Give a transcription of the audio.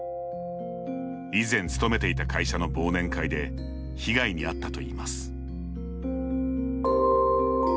以前勤めていた会社の忘年会で被害に遭ったといいます。